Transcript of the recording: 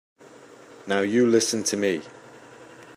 Now you listen to me.